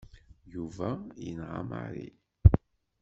Yuba yenɣa Mary.